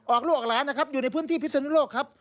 ออกโลกแล้วนะครับอยู่ในพื้นที่พิศวินโลกครับ